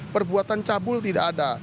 perbuatan cabul tidak ada